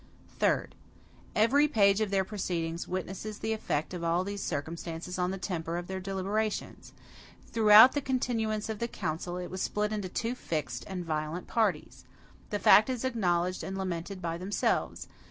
Third. Every page of their proceedings witnesses the effect of all these circumstances on the temper of their deliberations. Throughout the continuance of the council, it was split into two fixed and violent parties. The fact is acknowledged and lamented by themselves.